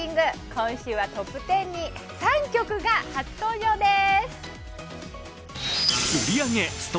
今週はトップ１０に３曲が発登場です。